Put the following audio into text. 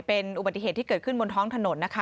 เป็นอุบัติเหตุที่เกิดขึ้นบนท้องถนนนะคะ